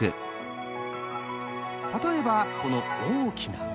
例えばこの大きな目。